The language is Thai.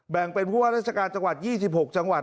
เป็นผู้ว่าราชการจังหวัด๒๖จังหวัด